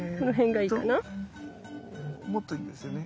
もっといいんですよね。